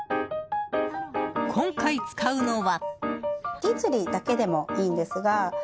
今回、使うのは。